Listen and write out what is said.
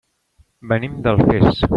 Venim d'Alfés.